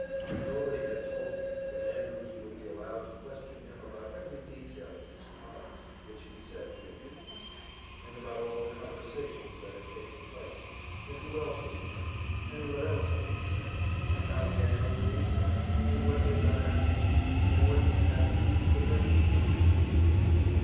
Nobody had told him that Andrews would be allowed to question him about every detail of these crimes which he said he had witnessed, and about all the conversations that had taken place, and who else was present, and what else had been said, and how he had come to be there, and what he had done afterwards, and what he had had to eat for breakfast that morning.